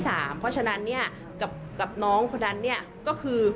เพราะฉะนั้นกับน้องคนนั้นก็คือ